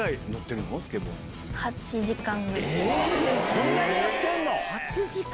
そんなにやってんの！